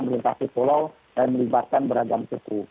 melintasi pulau dan melibatkan beragam suku